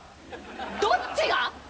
どっちが！？